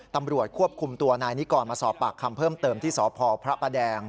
ตำรวจควบคุมตัวนายนิกรมาสอบปากคำเพิ่มเติมที่สพพระประแดง